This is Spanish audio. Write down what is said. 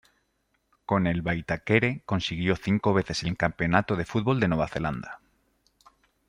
Con el Waitakere consiguió cinco veces el Campeonato de Fútbol de Nueva Zelanda.